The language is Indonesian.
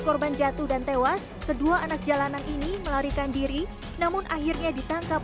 korban jatuh dan tewas kedua anak jalanan ini melarikan diri namun akhirnya ditangkap